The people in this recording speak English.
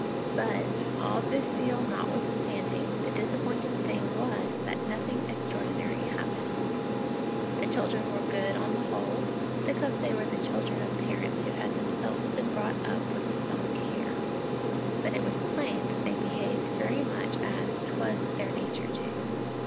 But, all this zeal notwithstanding, the disappointing thing was, that nothing extraordinary happened. The children were good on the whole, because they were the chil dren of parents who had themselves been brought up with some care ; but it was plain that they behaved very much as ' 'twas their nature to.'